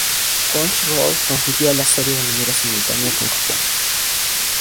Crunchyroll transmitió la serie de manera simultánea con Japón.